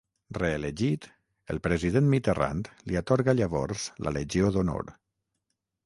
Reelegit, el president Mitterrand li atorga llavors la Legió d'Honor.